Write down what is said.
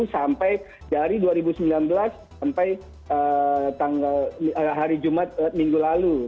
sampai dari dua ribu sembilan belas sampai hari jumat minggu lalu